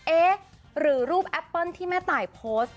เอ๊ะหรือรูปแอปเปิ้ลที่แม่ตายโพสต์